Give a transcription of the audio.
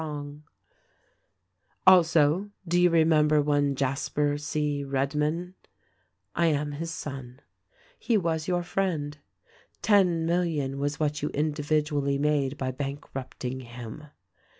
THE RECORDING ANGEL 261 "Also ; do you remember one Jasper C. Redmond ? "I am his son. "He was your friend. "Ten million was what you individually made by bank rupting him.